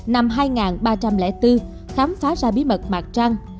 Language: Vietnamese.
năm hai ba trăm linh bốn khám phá ra bí mật mặt trăng